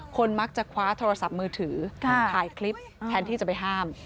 คนมักจะคว้าโทรศัพท์มือถือถ่ายคลิปแทนที่จะไปห้าม